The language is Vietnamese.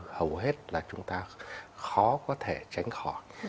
hầu hết là chúng ta khó có thể tránh khỏi